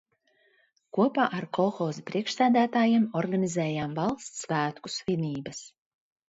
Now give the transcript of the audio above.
Kopā ar kolhozu priekšsēdētājiem organizējām valsts svētku svinības.